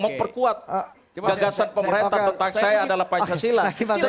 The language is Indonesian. memperkuat gagasan pemerintah tentang saya adalah pancasila